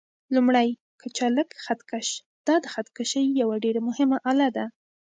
لومړی: کچالک خط کش: دا د خط کشۍ یوه ډېره مهمه آله ده.